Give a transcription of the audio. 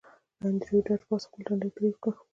انډریو ډاټ باس خپل تندی ترېو کړ